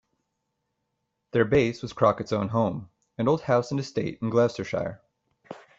Their base was Crockett's own home, an old house and estate in Gloucestershire.